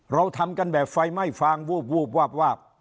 เราทำกันแบบไฟไหม้ฟางวูบวาบวาบ